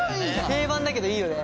定番だけどいいよね。